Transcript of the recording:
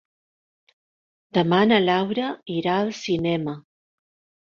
Demà na Laura irà al cinema.